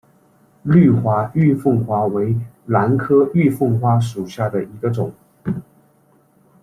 绿花玉凤花为兰科玉凤花属下的一个种。